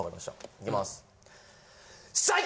いきます。